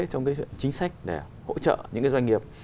trong cái chính sách để hỗ trợ những cái doanh nghiệp